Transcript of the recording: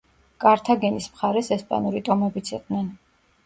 კართაგენის მხარეს ესპანური ტომებიც იყვნენ.